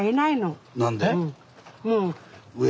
何で？